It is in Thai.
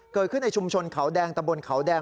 เกิดขึ้นในชุมชนเขาแดงตะบนเขาแดง